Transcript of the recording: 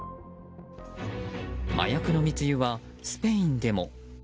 麻薬の密輸はスペインでも。